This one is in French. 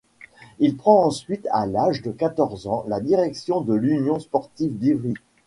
Il prend ensuite, à l'âge de quatorze ans, la direction de l'Union sportive d'Ivry.